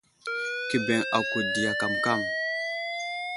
Kə bəŋ ako diya kamkam.